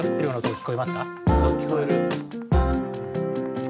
聞こえる。